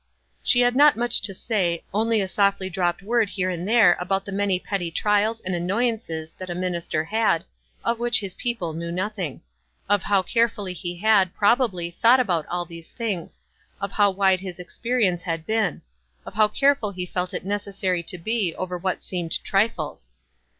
She had not much to say, only a softly dropped word here and there about the many petty trials and annoyances that a minister had, of which his people knew nothing ; of how carefully he had, probably, thought about 54 WISE AND OTHERWISE. all these things ; of how wide his experience had been ; of how careful he felt it necessary to be over what seemed trifles.